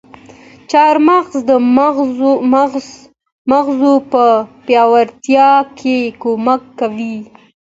چارمغز د مغزو په پياوړتيا کې کمک کوي.